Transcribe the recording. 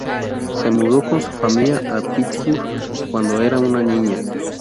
Se mudó con su familia a Pittsburgh cuando era una niña.